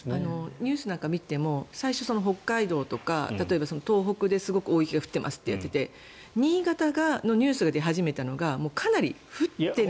ニュースなんか見ても最初、北海道とか東北ですごく大雪が降っていますとやっていて新潟のニュースが出始めたのがかなり降っている。